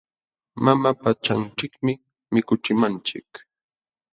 Mama pachanchikmi mikuchimanchik.